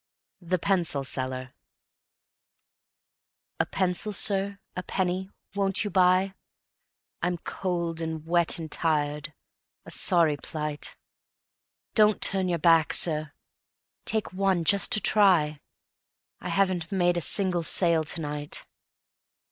The Pencil Seller A pencil, sir; a penny won't you buy? I'm cold and wet and tired, a sorry plight; Don't turn your back, sir; take one just to try; I haven't made a single sale to night.